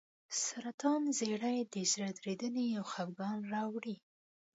سرطان زیړی د زړه درېدنې او خپګان راوړي.